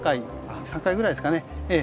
３回ぐらいですかね